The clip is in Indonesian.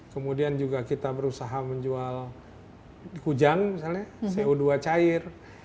kemudian juga kita berusaha menjual di kujang misalnya co dua cair